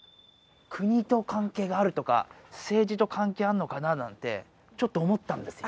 国と関係があるとか政治と関係あんのかななんてちょっと思ったんですよ